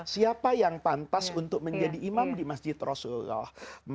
siapa yang pantas untuk menjadi imam di masjid rasulullah